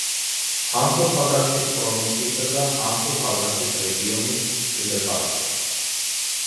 ანტოფაგასტის პროვინციისა და ანტოფაგასტის რეგიონის დედაქალაქი.